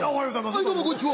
どうもこんちは！